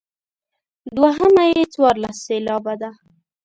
دوهمه یې څوارلس سېلابه ده.